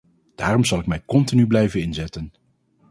Daarom zal ik mij continu blijven inzetten.